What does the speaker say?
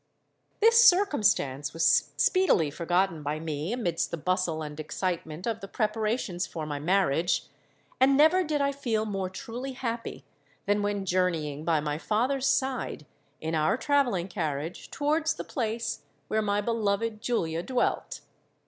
"This circumstance was speedily forgotten by me amidst the bustle and excitement of the preparations for my marriage; and never did I feel more truly happy than when journeying by my father's side, in our travelling carriage, towards the place where my beloved Julia dwelt.